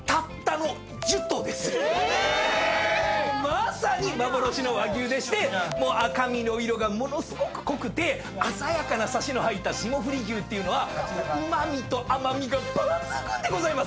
まさに幻の和牛でしてもう赤身の色がものすごく濃くて鮮やかなサシの入った霜降り牛っていうのはうま味と甘味が抜群でございます！